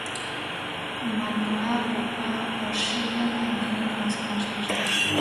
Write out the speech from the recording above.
Матра кока ыш чыте, рат дене каласкалаш пиже.